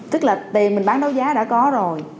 tức là tiền mình bán đấu giá đã có rồi